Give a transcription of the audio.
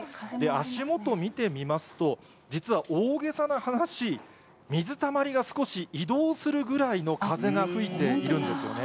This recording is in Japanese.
足元を見てみますと、実は大げさな話、水たまりが少し移動するぐらいの風が吹いているんですよね。